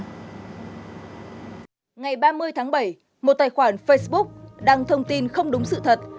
ngày ba mươi tháng bảy một tài khoản facebook đăng thông tin không đúng sự thật